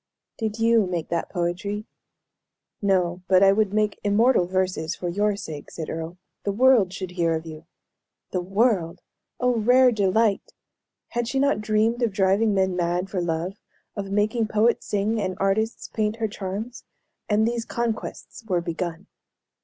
"Did you make that poetry?" "No: but would I could make immortal verses, for your sake," said Earle. "The world should hear of you." The world! Oh, rare delight! Had she not dreamed of driving men mad for love, of making poets sing, and artists paint her charms? And these conquests were begun.